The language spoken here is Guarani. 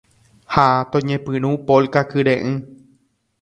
Ha toñepyrũ Polka kyre'ỹ